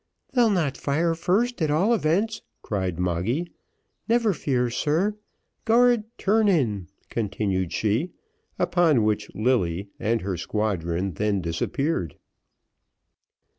"They'll not fire first at all events," cried Moggy, "never fear, sir. Guard, turn in," continued she; upon which, Lilly and her squadron then disappeared.